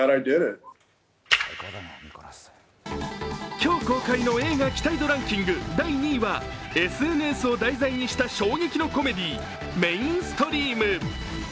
今日公開の映画期待度ランキング第２位はＳＮＳを題材にした衝撃のコメディー、「メインストリーム」。